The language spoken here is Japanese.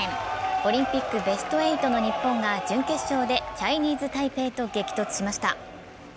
オリンピックベスト８の日本が準決勝でチャイニーズタイペイと激突しました。